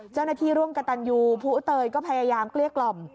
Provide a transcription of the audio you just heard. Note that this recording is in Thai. เจ้าหน้าที่ร่วมกับตันยูผู้เตยก็พยายามเกลี้ยกล่อม